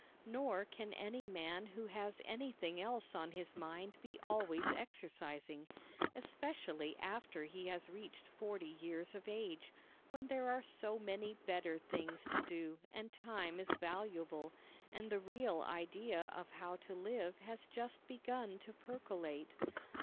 Nor can any man who has anything else on his mind be always exercising especially after he has reached forty years of age, when there are so many better things to do and time is valuable, and the real idea of how to live has just begun to percolate.